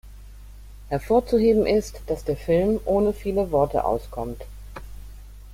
Hervorzuheben ist, dass der Film ohne viele Worte auskommt.